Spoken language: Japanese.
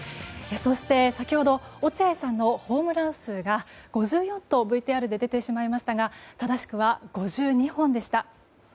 そして先ほど落合さんのホームラン数が５４とＶＴＲで出てしまいましたが正しくは５２本でした。